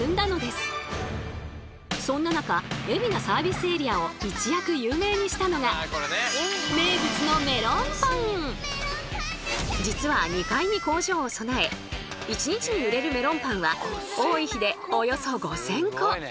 そんな中海老名サービスエリアを一躍有名にしたのが名物の実は２階に工場を備え１日に売れるメロンパンは多い日でおよそ５，０００個。